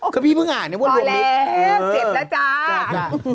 ก็พี่เพิ่งอ่านเนี่ยว่าลวมมิซ